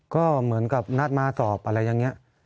ก็เหมือนกับนัดมาสอบอะไรอย่างนี้